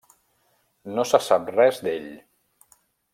No se sap res d'ell.